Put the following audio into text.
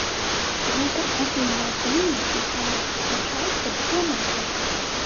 Гэта адзіная прэмія, якая ўручаецца дыпламатам.